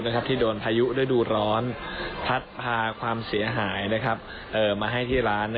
ที่โดนพายุฤดูร้อนพัดพาความเสียหายมาให้ที่ร้าน